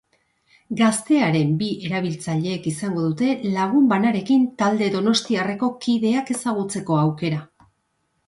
Gaztearen bi erabiltzailek izango dute lagun banarekin talde donostiarreko kideak ezagutzeko aukera.